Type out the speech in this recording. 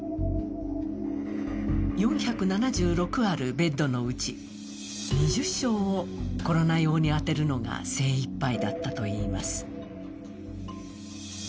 ４７６あるベッドのうち２０床をコロナ用に充てるのが精いっぱいだったといいます。